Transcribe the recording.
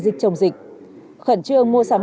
dịch chồng dịch khẩn trương mua sắm